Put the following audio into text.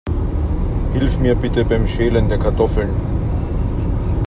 Hilf mir bitte beim Schälen der Kartoffeln.